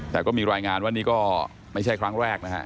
แต่ก็มีรายงานว่านี่ก็ไม่ใช่ครั้งแรกนะฮะ